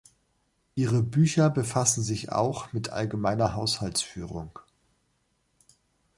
Ihre Bücher befassen sich auch mit allgemeiner Haushaltsführung.